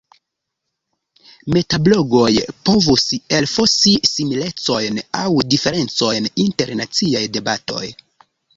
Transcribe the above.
Metablogoj povus elfosi similecojn aŭ diferencojn inter naciaj debatoj.